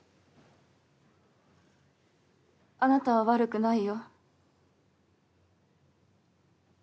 あなたは悪くないよ。